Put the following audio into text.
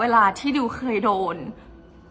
เพราะในตอนนั้นดิวต้องอธิบายให้ทุกคนเข้าใจหัวอกดิวด้วยนะว่า